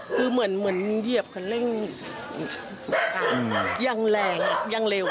คือเหมือนเหยียบคันเร่งยังแรงยังเร็ว